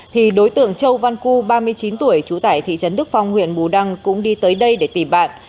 thì đối tượng châu văn cư ba mươi chín tuổi trú tại thị trấn đức phong huyện bù đăng cũng đi tới đây để tìm bạn